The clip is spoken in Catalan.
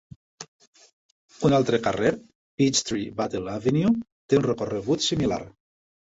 Un altre carrer, Peachtree Battle Avenue, té un recorregut similar.